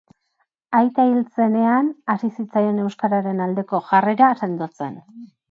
Aita hil zenean hasi zitzaion euskararen aldeko jarrera sendotzen.